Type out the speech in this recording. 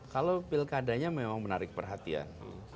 kalau pilkadanya memang menarik perhatian